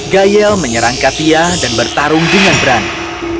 gayel menyerang katia dan bertarung dengan berani